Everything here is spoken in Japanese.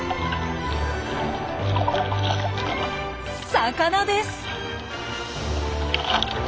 魚です！